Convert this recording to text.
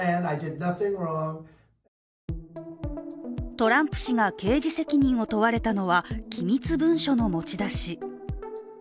トランプ氏が、刑事責任を問われたのは機密文書の持ち出し。